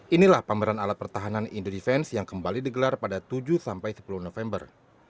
inilah pameran alat pertahanan indo defense yang kembali digelar pada tujuh sampai sepuluh november